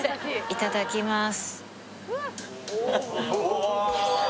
いただきます